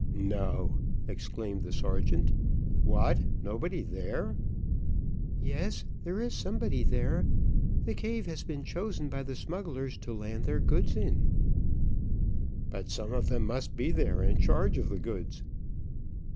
"No!" exclaimed the sergeant. "What, nobody there?" "Yes, there is somebody there, the cave has been chosen by the smugglers to land their goods in." "But some of them must be there in charge of the goods."